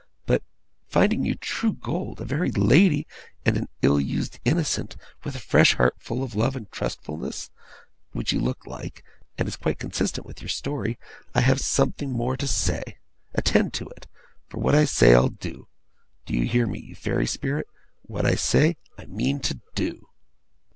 But, finding you true gold, a very lady, and an ill used innocent, with a fresh heart full of love and trustfulness which you look like, and is quite consistent with your story! I have something more to say. Attend to it; for what I say I'll do. Do you hear me, you fairy spirit? What I say, I mean to do!